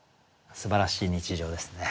すばらしい日常ですね。